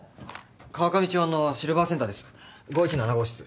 川上町のシルバーセンターです。